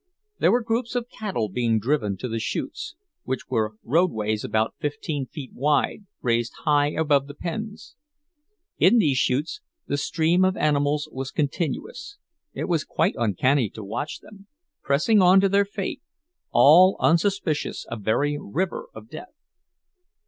There were groups of cattle being driven to the chutes, which were roadways about fifteen feet wide, raised high above the pens. In these chutes the stream of animals was continuous; it was quite uncanny to watch them, pressing on to their fate, all unsuspicious a very river of death.